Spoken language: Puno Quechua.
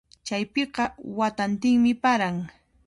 Chaypiqa watantinmi paran.